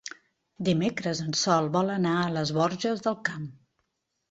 Dimecres en Sol vol anar a les Borges del Camp.